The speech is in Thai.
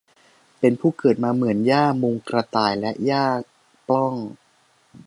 เป็นผู้เกิดมาเหมือนหญ้ามุงกระต่ายและหญ้าปล้อง